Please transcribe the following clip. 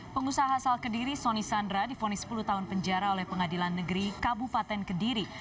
pengusaha asal kediri soni sandra difonis sepuluh tahun penjara oleh pengadilan negeri kabupaten kediri